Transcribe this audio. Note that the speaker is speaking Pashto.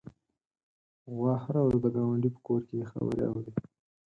غوا هره ورځ د ګاونډي په کور کې خبرې اوري.